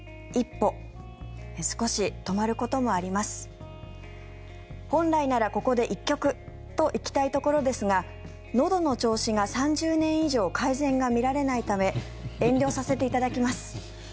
本来なら、ここで１曲と行きたいところですがのどの調子が３０年以上改善が見られないため遠慮させていただきます。